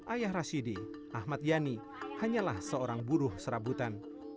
ayah rashidi ahmad yani hanyalah seorang buruh serabutan